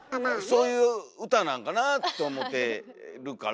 そういう歌なんかなあって思てるから。